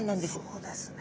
そうですね。